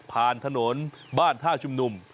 ผ่านถนนบ้านท่าชุมนุม